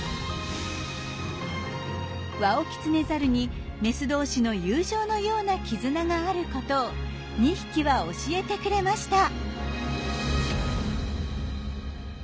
ワオキツネザルにメス同士の友情のような絆があることを２匹は教えてくれました。